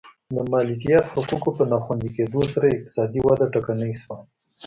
د مالکیت حقونو په ناخوندي کېدو سره اقتصادي وده ټکنۍ شوه.